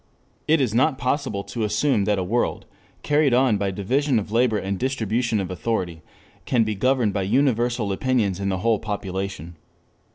It is not possible to assume that a world, carried on by division of labor and distribution of authority, can be governed by universal opinions in the whole population.